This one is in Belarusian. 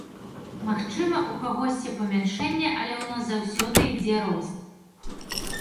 Магчыма, у кагосьці памяншэнне, але ў нас заўсёды ідзе рост.